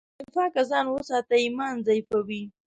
له نفاقه ځان وساته، ایمان ضعیفوي.